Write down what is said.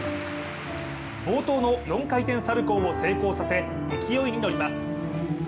冒頭の４回転サルコウを成功させ勢いに乗ります。